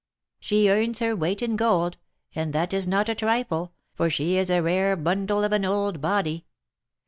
She earns her weight in gold, and that is not a trifle, for she is a rare bundle of an old body.